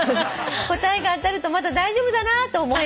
「答えが当たるとまだ大丈夫だなと思えます」